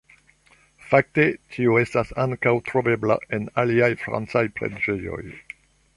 Fakte tio estas ankaŭ trovebla en aliaj francaj preĝejoj.